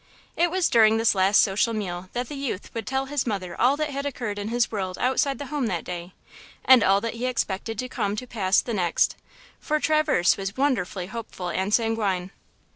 It was during this last social meal that the youth would tell his mother all that had occurred in his world outside the home that day, and all that he expected to come to pass the next, for Traverse was wonderfully hopeful and sanguine.